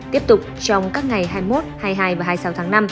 tiếp tục trong các ngày hai mươi một hai mươi hai và hai mươi sáu tháng năm